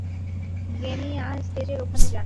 Guinea, স্টেজের ওখানে যান।